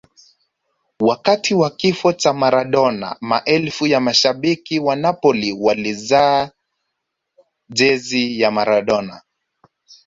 wakati wa kifo cha maradona maelfu ya mashabiki wa napoli walizaa jezi ya maradona